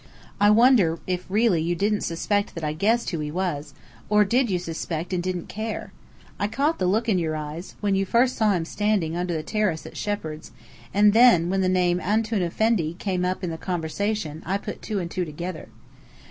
I wonder if really you didn't suspect that I guessed who he was; or did you suspect; and didn't care? I caught the look in your eyes, when you first saw him standing under the terrace at Shepheard's, and then, when the name "Antoun Effendi" came up in the conversation, I put two and two together.